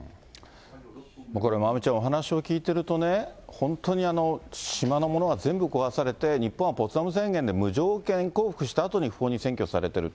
これ、まおみちゃん、お話を聞いてるとね、本当に島のものは全部壊されて、日本はポツダム宣言で無条件降伏したあとに、不法に占拠されてる。